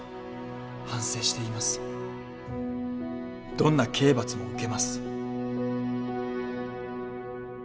どんな刑罰も受けます。